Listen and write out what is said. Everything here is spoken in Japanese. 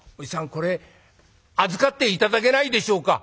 これ預かって頂けないでしょうか」。